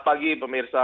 selamat pagi pemirsa